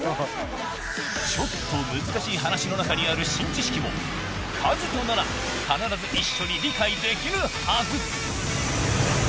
ちょっと難しい話の中にある新知識もカズとなら必ず一緒に理解できるはず！